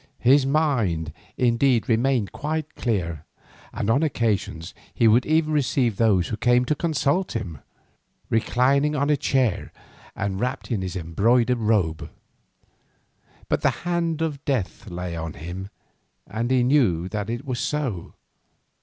His mind indeed remained quite clear, and on occasions he would even receive those who came to consult him, reclining on a chair and wrapped in his embroidered robe. But the hand of death lay on him, and he knew that it was so.